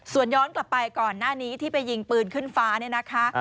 ส่วนย้อนกลับไปก่อนหน้านี้ที่ไปยิงปืนขึ้นฟ้าเนี่ยนะคะ